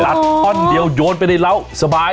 ลัดนะอ๋อเดี๋ยวโยนไปเป็นเลี้ยวสบาย